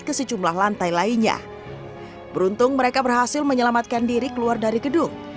ke sejumlah lantai lainnya beruntung mereka berhasil menyelamatkan diri keluar dari gedung